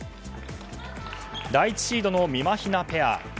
第１シードのみまひなペア。